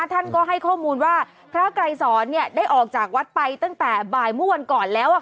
ท่านก็ให้ข้อมูลว่าพระไกรสอนเนี่ยได้ออกจากวัดไปตั้งแต่บ่ายเมื่อวันก่อนแล้วอ่ะ